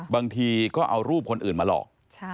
บางทีก็เอารูปคนอื่นมาหลอก